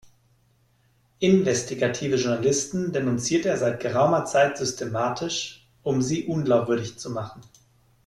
Investigative Journalisten denunziert er seit geraumer Zeit systematisch, um sie unglaubwürdig zu machen.